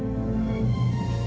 aku tak tahu kenapa